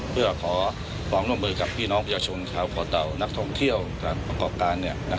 เพื่อขอร้องร่วมเบอร์กับพี่น้องประชุมข่าวพ่อเต่านักท่องเที่ยวการประกอบการ